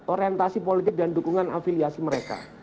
orientasi politik dan dukungan afiliasi mereka